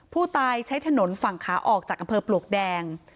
ใช้ถนนฝั่งขาออกจากอำเภอปลวกแดง